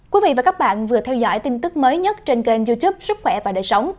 quý vị và các bạn vừa theo dõi tin tức mới nhất trên kênh youtube sức khỏe và đời sống